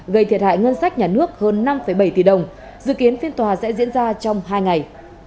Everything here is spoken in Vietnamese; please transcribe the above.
gây thiệt hại ngân sách nhà nước hơn năm bảy tỷ đồng dự kiến phiên tòa sẽ diễn ra trong hai ngày